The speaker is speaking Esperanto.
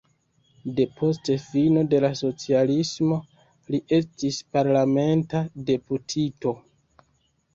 Depost fino de la socialismo li estis parlamenta deputito.